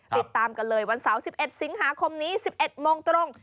ติดตามกันเลยวันเสาร์๑๑สิงหาคมนี้๑๑โมงตรง